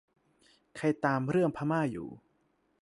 ใครตามเรื่อง พม่า อยู่